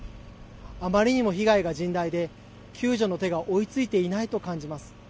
あまりにも被害が甚大で救助の手が追いついていないと感じます。